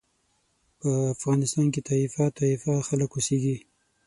په افغانستان کې طایفه طایفه خلک اوسېږي.